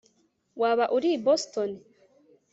Waba uri i Boston